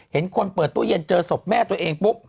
เห็นคนเปิดตู้เย็นเจอศพแม่ตัวเองปุ๊บ